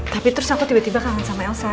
tapi terus aku tiba tiba kangen sama elsa